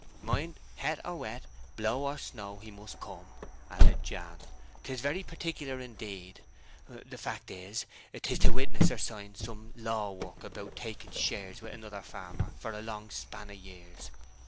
"Mind, het or wet, blow or snow, he must come," added Jan. "'Tis very particular, indeed. The fact is, 'tis to witness her sign some law work about taking shares wi' another farmer for a long span o' years.